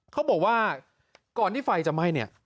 เขาบอกว่าก่อนที่ไฟจะไหม้เนี่ย